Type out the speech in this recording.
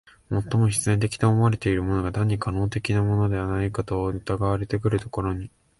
最も必然的と思われているものが単に可能的なものではないかと疑われてくるところに、